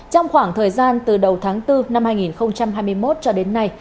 trong khoảng thời gian từ đầu tháng bốn năm hai nghìn hai mươi một cho đến nay